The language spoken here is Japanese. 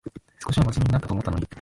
少しはまじめになったと思ったのに